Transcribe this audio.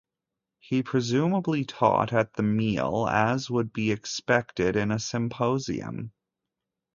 He presumably taught at the meal, as would be expected in a symposium.